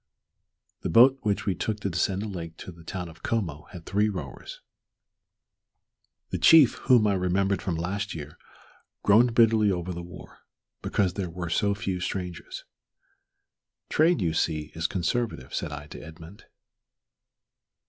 The boat which we took to descend the lake to the town of Como had three rowers. The chief, whom I remembered from last year, groaned bitterly over the war, because there were so few strangers. "Trade, you see, is conservative," said I to Edmund.